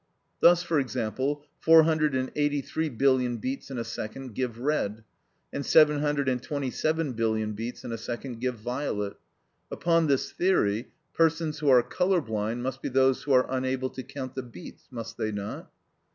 Thus, for example, four hundred and eighty three billion beats in a second give red, and seven hundred and twenty seven billion beats in a second give violet. Upon this theory, persons who are colour blind must be those who are unable to count the beats, must they not?